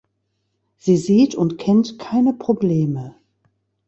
Sie sieht und kennt keine Probleme.